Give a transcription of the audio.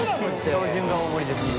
標準が大盛りですね。